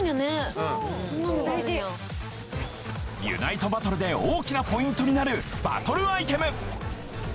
ユナイトバトルで大きなポイントになるバトルアイテム。